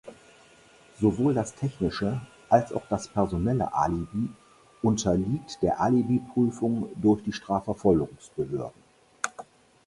Sowohl das technische als auch das personelle Alibi unterliegt der Alibi-Prüfung durch die Strafverfolgungsbehörden.